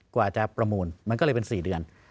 กว่าจะประมูลมันก็เลยเป็น๔เดือน